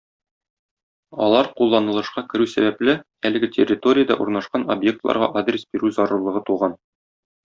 Алар кулланылышка керү сәбәпле, әлеге территориядә урнашкан объектларга адрес бирү зарурлыгы туган.